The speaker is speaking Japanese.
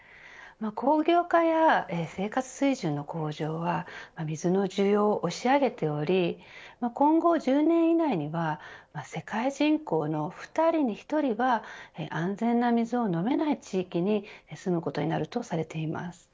工業化や生活水準の向上は水の需要を押し上げており今後１０年以内には世界人口の２人に１人は安全な水を飲めない地域に住むことになるとされています。